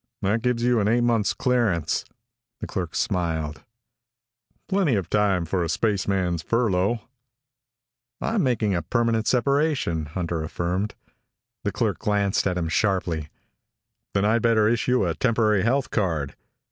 "That gives you an eight months' clearance." The clerk smiled. "Plenty of time for a spaceman's furlough." "I'm making a permanent separation," Hunter affirmed. The clerk glanced at him sharply. "Then I'd better issue a temporary health card."